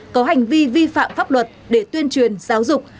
có hành vi vi phạm pháp luật để tuyên truyền giáo dục